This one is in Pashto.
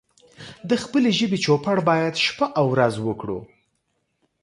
د خپلې ژبې چوپړ بايد شپه او ورځ وکړو